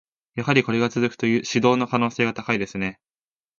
やはりこれが続くと、指導の可能性が高いですね。